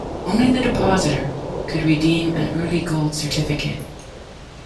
Only the depositor could redeem an early gold certificate.